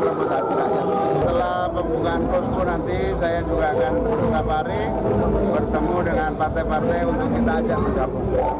setelah pembukaan posko nanti saya juga akan safari bertemu dengan partai partai untuk kita ajak bergabung